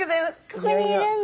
ここにいるんだ。